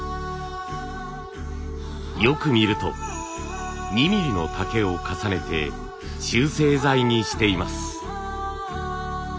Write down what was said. よく見ると２ミリの竹を重ねて集成材にしています。